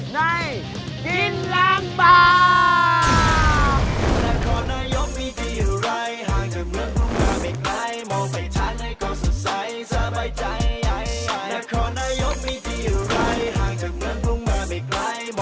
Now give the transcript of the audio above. ในกินรังบาล